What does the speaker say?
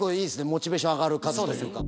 モチベーション上がる感じというか。